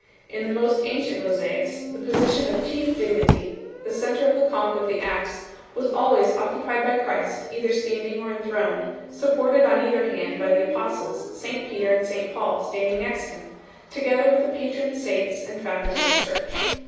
In the most ancient mosaics " the position of chief dignity, the centre of the conch of the apse, was always occupied by Christ, either standing or enthroned, supported on either hand by the Apostles, St Peter arid St Paul standing next Him, together with the patron saints and founders of the Church.